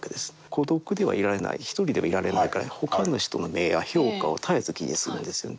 孤独ではいられない一人ではいられないから他の人の目や評価を絶えず気にするんですよね。